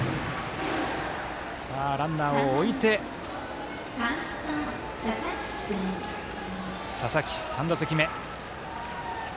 ランナーを置いて佐々木、３打席目。